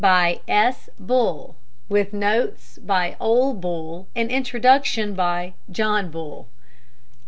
By S. Bull. With Notes by Ole Bull and Introduction by John Bull.